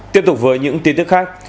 tiếp tục với những tin tức khác